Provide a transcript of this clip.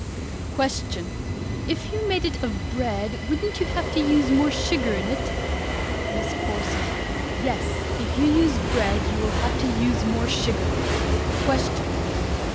Question. If you made it of bread wouldn't you have to use more sugar in it? MISS CORSON. Yes, if you use bread you would have to use more sugar. _Question.